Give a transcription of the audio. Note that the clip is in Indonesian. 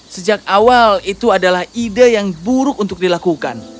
sejak awal itu adalah ide yang buruk untuk dilakukan